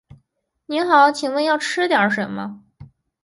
您好，请问要吃点什么？